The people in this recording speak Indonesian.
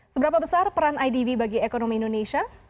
seberapa besar peran idb bagi ekonomi indonesia